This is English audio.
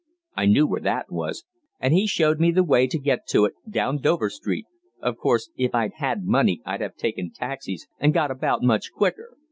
I knew where that was, and he showed me the way to get to it, down Dover Street of course, if I'd had money enough I'd have taken taxis and got about much quicker.